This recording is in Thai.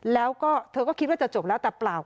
แล้วก็เธอก็คิดว่าจะจบแล้วแต่เปล่า